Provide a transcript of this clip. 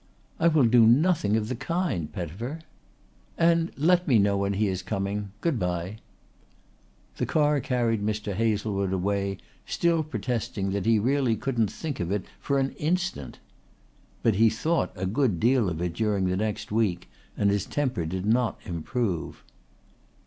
"I will do nothing of the kind, Pettifer." "And let me know when he is coming. Goodbye." The car carried Mr. Hazlewood away still protesting that he really couldn't think of it for an instant. But he thought a good deal of it during the next week and his temper did not improve.